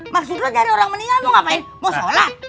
maksudnya cari orang meninggal lu ngapain mau sholat